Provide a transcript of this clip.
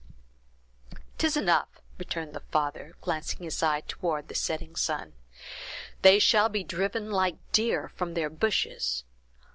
"'Tis enough," returned the father, glancing his eye toward the setting sun; "they shall be driven like deer from their bushes.